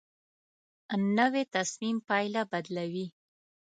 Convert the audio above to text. نوې تصمیم پایله بدلوي